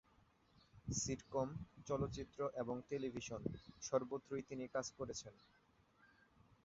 Sitcom, চলচ্চিত্র এবং television সর্বত্রই তিনি কাজ করেছেন।